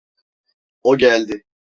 O geldi.